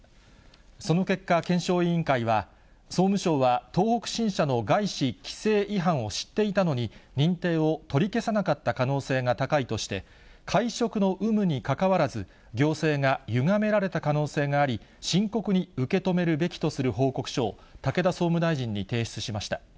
その結果、検証委員会は、総務省は東北新社の外資規制違反を知っていたのに、認定を取り消さなかった可能性が高いとして、会食の有無にかかわらず、行政がゆがめられた可能性があり、深刻に受け止めるべきとする報告書を、武田総務大臣に提出しました。